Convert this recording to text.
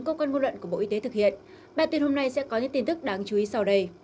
cơ quan ngôn luận của bộ y tế thực hiện bản tin hôm nay sẽ có những tin tức đáng chú ý sau đây